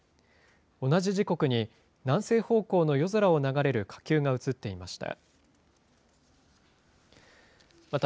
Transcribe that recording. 同じ時刻に、南西方向の夜空を流れる火球が写っていました。